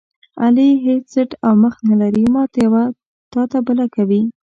علي هېڅ څټ او مخ نه لري، ماته یوه تاته بله کوي.